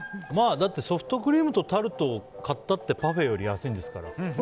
ソフトクリームとタルトを買ったってパフェより安いんですから。